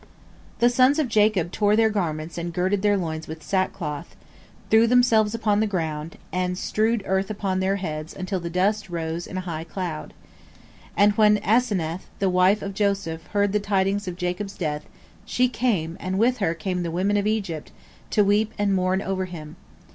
" The sons of Jacob tore their garments and girded their loins with sackcloth, threw themselves upon the ground, and strewed earth upon their heads until the dust rose in a high cloud. And when Asenath, the wife of Joseph, heard the tidings of Jacob's death, she came, and with her came the women of Egypt, to weep and mourn over him.